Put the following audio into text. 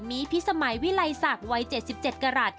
มีพิสมัยวิลัยศักดิ์วัย๗๗กรัฐ